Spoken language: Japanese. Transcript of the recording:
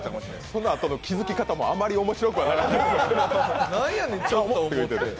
そのあとの気づき方もあまり面白くはなかった。